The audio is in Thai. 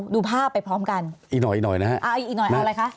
ดูภาพไปพร้อมกันอีกหน่อยหน่อยนะฮะเอาอีกหน่อยเอาอะไรคะ